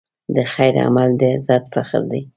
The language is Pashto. د خیر عمل د عزت فخر دی.